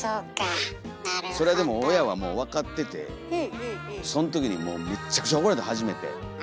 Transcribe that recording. それでも親はもう分かっててそん時にめっちゃくちゃ怒られた初めて。